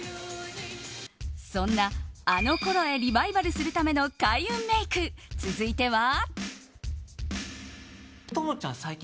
そんなあのころへリバイバルするための開運メイク、続いては。